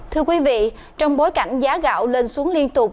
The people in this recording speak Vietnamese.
thưa quý vị trong bối cảnh giá gạo lên xuống liên tục